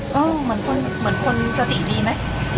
ก็เหมือนคนสติดีไหม